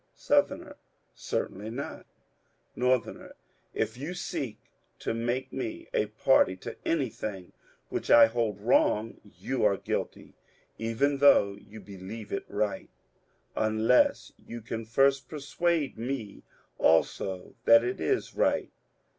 Sou. — Certainly not. Nor. — If you seek to make me a party to anything which I hold wrong, you are guilty, even though you believe it right, unless you can first persuade me also that it is right.